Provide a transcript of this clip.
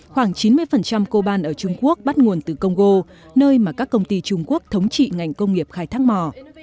khoảng chín mươi coban ở trung quốc bắt nguồn từ congo nơi mà các công ty trung quốc thống trị ngành công nghiệp khai thác mỏ